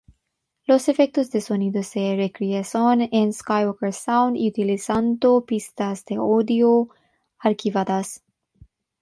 Los efectos de sonido se recrearon en Skywalker Sound utilizando pistas de audio archivadas.